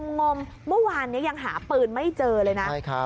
งมเมื่อวานนี้ยังหาปืนไม่เจอเลยนะ